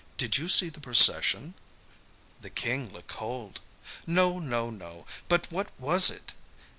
"Did you see the procession?" "The King looked cold." "No, no, no. But what was it?"